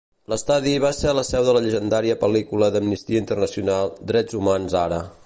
L'estadi va ser la seu de la llegendària pel·lícula d'Amnistia Internacional "Drets Humans Ara".